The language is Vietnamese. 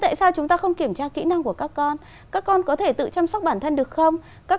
tại sao chúng ta không kiểm tra kỹ năng của các con các con có thể tự chăm sóc bản thân được không các